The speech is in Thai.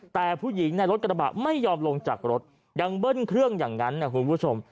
แต่ผู้หญิงในรถกระบะไม่ยอมลงจากรถยังเบิ้ลเครื่องอย่างนั้นนะคุณผู้ชม